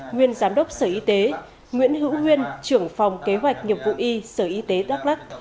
nguyên giám đốc sở y tế nguyễn hữu huyên trưởng phòng kế hoạch nghiệp vụ y sở y tế đắk lắc